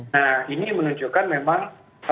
nah ini menunjukkan memang